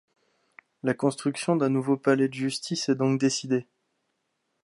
La construction d'un nouveau palais de justice est donc décidée.